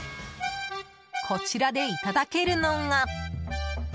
こちらでいただけるのが。